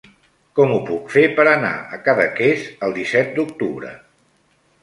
Com ho puc fer per anar a Cadaqués el disset d'octubre?